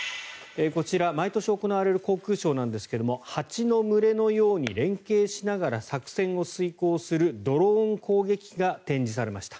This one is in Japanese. こちら、毎年行われる航空ショーなんですが蜂の群れのように連携しながら作戦を遂行するドローン攻撃機が展示されました。